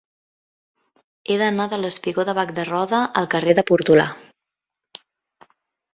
He d'anar del espigó de Bac de Roda al carrer de Portolà.